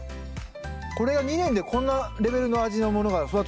これが２年でこんなレベルの味のものが育つんですね。